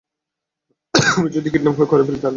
আমি যদি কিডন্যাপ করে ফেলি, তাহলে?